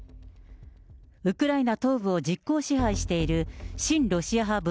ウクライナ東部を実効支配している親ロシア派